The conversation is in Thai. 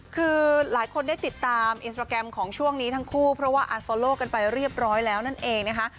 คือหลายคนได้ติดตามอินสตราแกรมของช่วงนี้ทั้งคู่เพราะว่าอาโซโลกันไปเรียบร้อยแล้วนั่นเองนะคะ